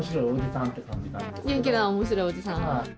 元気な面白いおじさん。